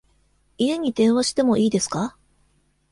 家に電話しても良いですか？